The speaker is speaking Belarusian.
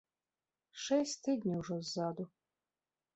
Шэсць тыдняў ўжо ззаду.